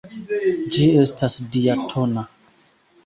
Ĝi estas diatona.